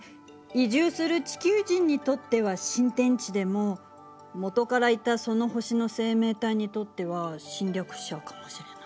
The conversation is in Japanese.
移住する地球人にとっては新天地でも元からいたその星の生命体にとっては侵略者かもしれない。